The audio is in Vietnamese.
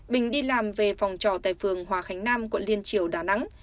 bình đi làm về phòng trọ tại phường hòa khánh nam quận liên triều đà nẵng